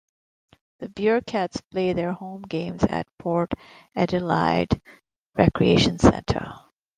The Bearcats play their home games at Port Adelaide Recreation Centre.